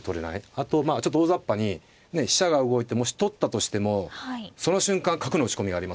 あとまあちょっと大ざっぱに飛車が動いてもし取ったとしてもその瞬間角の打ち込みがありますから。